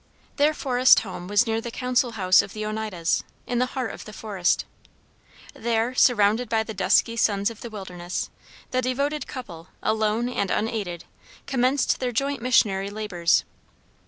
Their forest home was near the "Council House" of the Oneidas in the heart of the forest. There, surrounded by the dusky sons of the wilderness, the devoted couple, alone and unaided, commenced their joint missionary labors.